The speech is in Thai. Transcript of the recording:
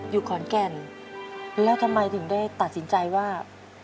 อยู่ขอนแก่นแล้วทำไมถึงได้ตัดสินใจว่า